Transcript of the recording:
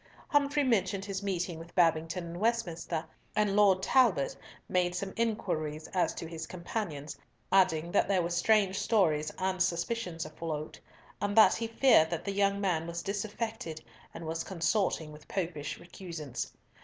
Humfrey mentioned his meeting with Babington in Westminster, and Lord Talbot made some inquiries as to his companions, adding that there were strange stories and suspicions afloat, and that he feared that the young man was disaffected and was consorting with Popish recusants.